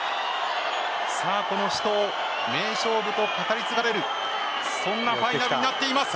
この死闘、名勝負と語り継がれるそんなファイナルになっています。